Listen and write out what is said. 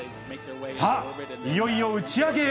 さあ、いよいよ打ち上げへ。